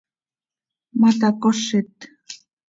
¿Ma tacozit?